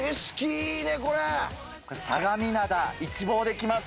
相模灘、一望できます。